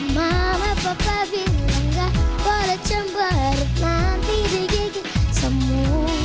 mama papa bilang gak boleh cemberit nanti digegit semu